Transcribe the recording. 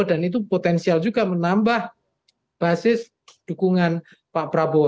dan itu potensial juga menambah basis dukungan pak prabowo